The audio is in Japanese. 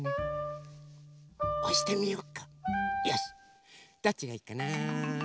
おしてみよっかよしどっちがいいかな？